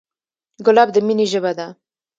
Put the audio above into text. ګلاب د مینې ژبه ده.